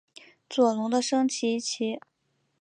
左龙的升级棋。